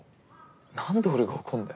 なんで俺が怒んだよ。